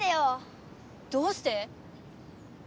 どうして？